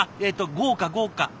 豪華豪華。